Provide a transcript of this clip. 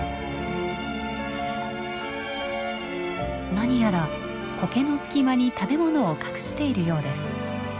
何やらコケの隙間に食べ物を隠しているようです。